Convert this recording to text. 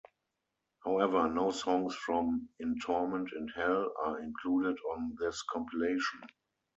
However, no songs from "In Torment in Hell" are included on this compilation.